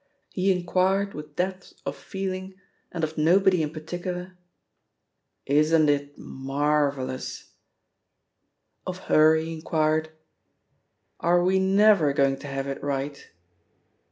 He inquired with depth of feeling, and of nobody in particular, "Isn't it marvellous?" Of her he inquired, "Are we never going to have it right?"